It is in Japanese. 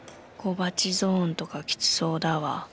小鉢ゾーンとかきつそうだわ。